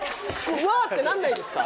うわってなんないですか？